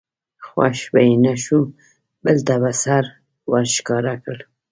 خوښ به یې نه شو بل ته به سر ور ښکاره کړ.